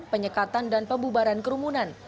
penyekatan dan pembubaran kerumunan